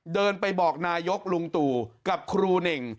เดินไปบอกนายกลุงตู่กับครูเน่ง